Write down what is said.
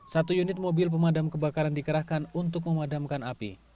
satu unit mobil pemadam kebakaran dikerahkan untuk memadamkan api